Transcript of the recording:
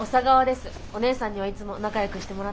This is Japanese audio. お姉さんにはいつも仲よくしてもらってます。